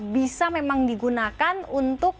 bisa memang digunakan untuk